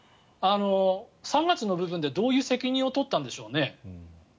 ３月の部分でどういう責任を取ったんでしょうね。